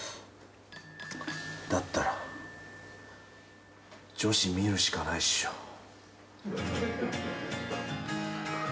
だったら女子見るしかないっしょ。